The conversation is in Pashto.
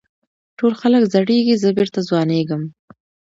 ټول خلک زړېږي زه بېرته ځوانېږم.